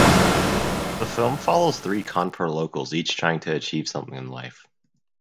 The film follows three Kanpur locals each trying to achieve something in life.